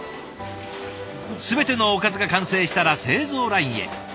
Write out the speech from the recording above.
全てのおかずが完成したら製造ラインへ。